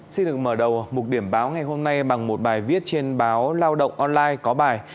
xin được mở đầu mục điểm báo ngày hôm nay bằng một bài viết trên báo lao động online có bài